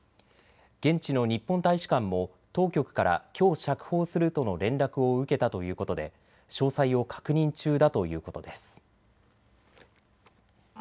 現地の日本大使館も当局からきょう釈放するとの連絡を受けたということで詳細を確認中だということです。